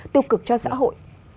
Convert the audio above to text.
tiêu cực cho xã hội